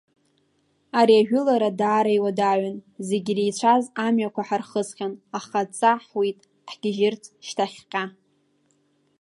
Ари ажәылара даара иуадаҩын, зегьы иреицәаз амҩақәа ҳархысхьан, аха адҵа ҳауит ҳгьежьырц шьҭахьҟа.